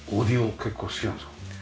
結構好きなんですか？